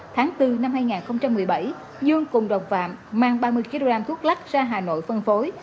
tháng bốn năm hai nghìn một mươi bảy dương cùng đồng phạm mang ba mươi kg thuốc lắc ra hà nội phân phối